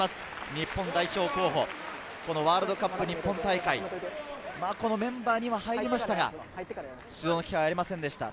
日本代表候補、ワールドカップ日本大会、メンバーには入りましたが、出場の機会はありませんでした。